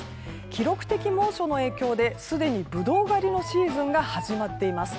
記録的猛暑の影響ですでにブドウ狩りのシーズンが始まっています。